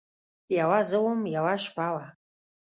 یوه زه وم، یوه شپه وه